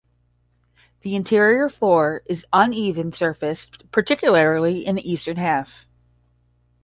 The interior floor is uneven surfaced, particularly in the eastern half.